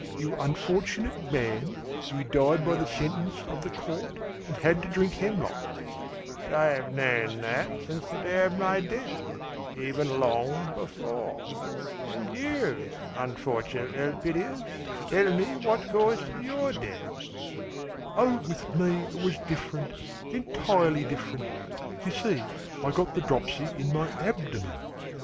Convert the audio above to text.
You unfortunate man, you died by the sentence of the court and had to drink hemlock!" "But I have known that since the day of my death, even long before. And you, unfortunate Elpidias, tell me what caused your death?" "Oh, with me, it was different, entirely different! You see I got the dropsy in my abdomen.